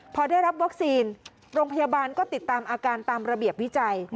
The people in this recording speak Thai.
พอได้รับวัคซีนโรงพยาบาลก็ติดตามอาการตามระเบียบวิจัย